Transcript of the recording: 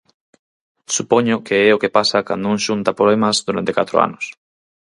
Supoño que é o que pasa cando un xunta poemas durante catro anos.